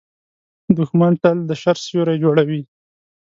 دښمن تل د شر سیوری جوړوي